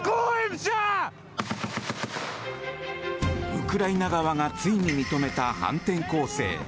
ウクライナ側がついに認めた反転攻勢。